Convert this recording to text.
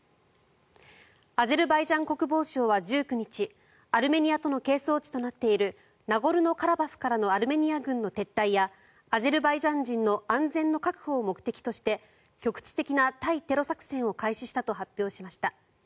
アゼルバイジャン国防省は１９日アルメニアとの係争地となっているナゴルノカラバフからのアルメニア軍の撤退やアゼルバイジャン人の安全の確保を目的として局地的な対テロ作戦を開始したと発表しました。